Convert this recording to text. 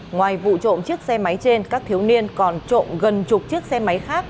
ngoài vụ trộn chiếc xe máy trên các thiếu niên còn trộn gần chục chiếc xe máy khác